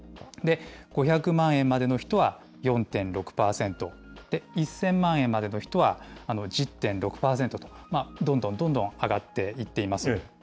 ５００万円までの人は、４．６％で、１０００万円までの人は１０．６％と、どんどんどんどん上がっていっています。